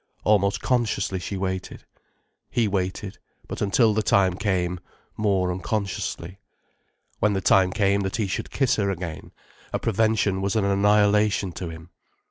Almost consciously, she waited. He waited, but, until the time came, more unconsciously. When the time came that he should kiss her again, a prevention was an annihilation to him.